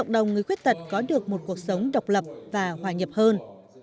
để cộng đồng người khuyết tật có được một cuộc sống độc lập và hòa nhập hơn